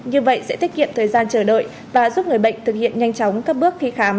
như vậy sẽ tiết kiệm thời gian chờ đợi và giúp người bệnh thực hiện nhanh chóng các bước khi khám